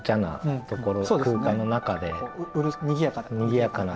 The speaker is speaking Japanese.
にぎやかな。